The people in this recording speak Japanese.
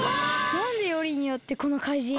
なんでよりによってこのかいじん？